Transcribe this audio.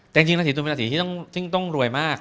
แต่จริงราศีตุลเป็นราศีที่ต้องรวยมาก